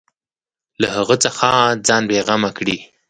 له هغه څخه ځان بېغمه کړي.